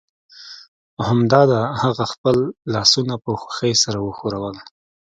همدا ده هغه خپل لاسونه په خوښۍ سره وښورول